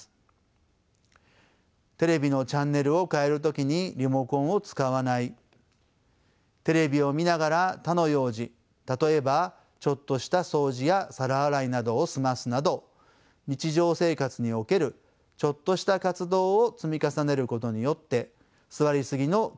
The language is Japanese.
テレビのチャンネルを替える時にリモコンを使わないテレビを見ながら他の用事例えばちょっとした掃除や皿洗いなどを済ますなど日常生活におけるちょっとした活動を積み重ねることによって座りすぎの健康への悪影響を回避していただけたらと思います。